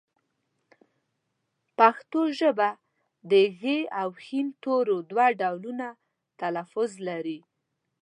پښتو ژبه د ږ او ښ تورو دوه ډولونه تلفظ لري